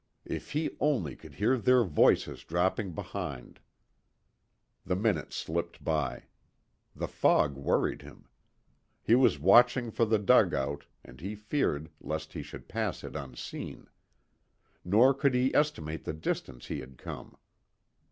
If he only could hear their voices dropping behind. The minutes slipped by. The fog worried him. He was watching for the dugout, and he feared lest he should pass it unseen. Nor could he estimate the distance he had come.